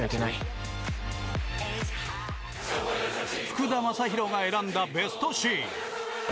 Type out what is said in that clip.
福田正博が選んだベストシーン。